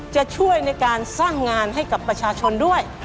จะช่วยในการสร้างงานให้กับประชาชนด้วย